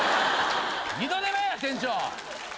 二度手間や店長。